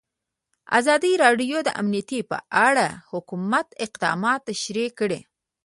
ازادي راډیو د امنیت په اړه د حکومت اقدامات تشریح کړي.